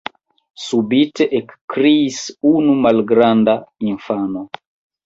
subite ekkriis unu malgranda infano.